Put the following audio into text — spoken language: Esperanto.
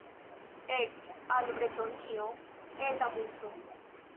Ek al Bretonio, Eta Muso!